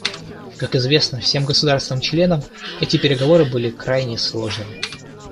Как известно всем государствам-членам, эти переговоры были крайне сложными.